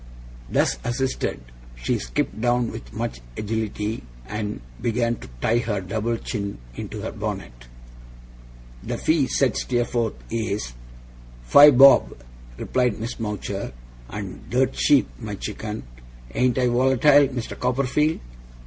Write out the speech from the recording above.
Thus assisted, she skipped down with much agility, and began to tie her double chin into her bonnet. 'The fee,' said Steerforth, 'is ' 'Five bob,' replied Miss Mowcher, 'and dirt cheap, my chicken. Ain't I volatile, Mr. Copperfield?